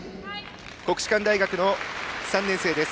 国士舘大学の３年生です。